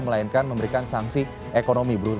melainkan memberikan sanksi ekonomi